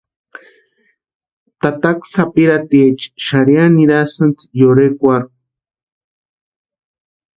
Tataka sapirhapitiecha xarhiani nirasïnti yorhekwarhu.